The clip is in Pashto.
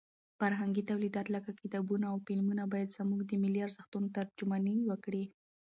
فرهنګي تولیدات لکه کتابونه او فلمونه باید زموږ د ملي ارزښتونو ترجماني وکړي.